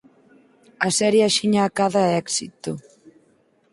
A serie axiña acada éxito.